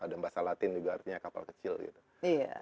dan bahasa latin juga artinya kapal kecil gitu